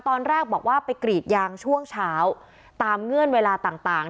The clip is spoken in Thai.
ตอนแรกบอกว่าไปกรีดยางช่วงเช้าตามเงื่อนเวลาต่างต่าง